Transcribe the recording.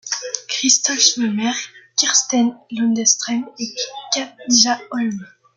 Christoph Vollmer, Kirsten Lindstroem et Katja Holm.